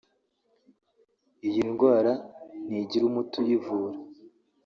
Iyi ndwara ntigira umuti uyivura